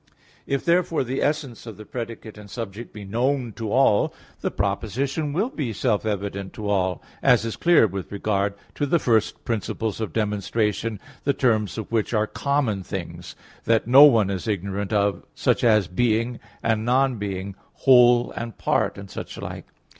If, therefore the essence of the predicate and subject be known to all, the proposition will be self evident to all; as is clear with regard to the first principles of demonstration, the terms of which are common things that no one is ignorant of, such as being and non being, whole and part, and such like.